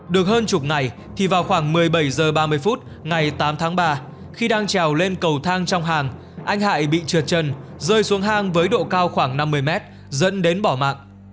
được hơn chục ngày thì vào khoảng một mươi bảy h ba mươi phút ngày tám tháng ba khi đang trèo lên cầu thang trong hàng anh hải bị trượt chân rơi xuống hang với độ cao khoảng năm mươi mét dẫn đến bỏ mạng